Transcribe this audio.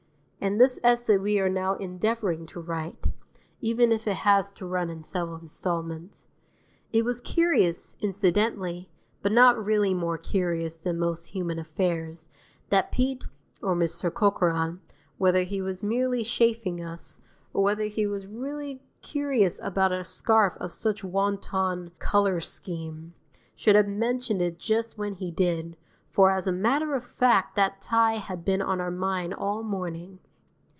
And this essay we are now endeavouring to write, even if it has to run in several instalments. It was curious, incidentally (but not really more curious than most human affairs), that Pete (or Mr. Corcoran) whether he was merely chaffing us, or whether he was really curious about a scarf of such wanton colour scheme, should have mentioned it just when he did, for as a matter of fact that tie had been on our mind all morning.